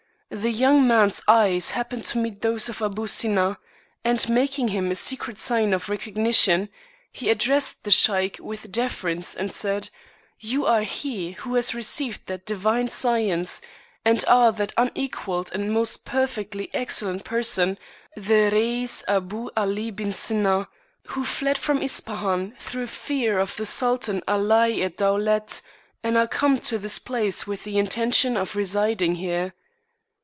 The young man's eyes hap pened to meet those of Aboo Sinna; and making him a secret sign of recognition, he addressed the Sheik with deference and said, " You are he who has received that divine science, and are that unequaled and most perfectly excellent person, the Reis Aboo AH bin Sinna, who fled from Ispahan through fear of the Sultan Alai ed Dowlet, and are come to this place with the intention of residing here."